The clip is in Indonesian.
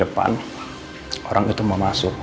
sampai di depan orang itu mau masuk